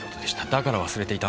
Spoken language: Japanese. だから忘れていた。